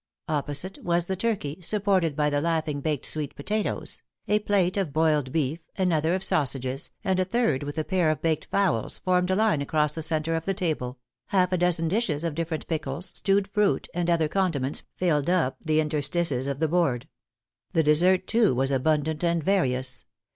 Opposite was the turkey, supported by the laughing baked sweet potatoes; a plate of boiled beef, another of sausages, and a third with a pair of baked fowls, formed a line across the centre of the table; half a dozen dishes of different pickles, stewed fruit, and other condiments filled up the interstices of the board." The dessert, too, was abundant and various.